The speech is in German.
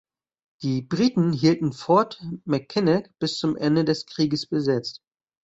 Die Briten hielten Fort Mackinac bis zum Ende des Kriegs besetzt.